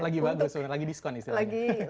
lagi bagus lagi diskon istilahnya